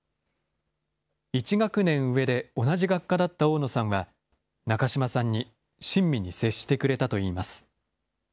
１学年上で、同じ学科だった大野さんは、中島さんに親身に接してくれたといいます。